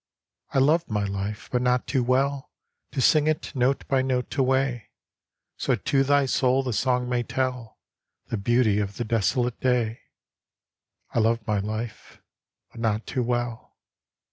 I love my life, but not too wellTo sing it note by note away, So to thy soul the song may tellThe beauty of the desolate day.I love my life, but not too well.